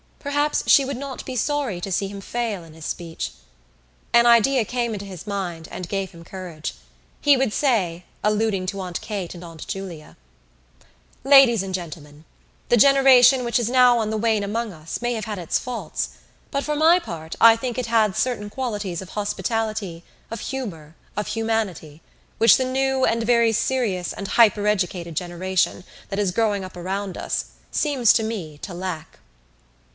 Perhaps she would not be sorry to see him fail in his speech. An idea came into his mind and gave him courage. He would say, alluding to Aunt Kate and Aunt Julia: "Ladies and Gentlemen, the generation which is now on the wane among us may have had its faults but for my part I think it had certain qualities of hospitality, of humour, of humanity, which the new and very serious and hypereducated generation that is growing up around us seems to me to lack."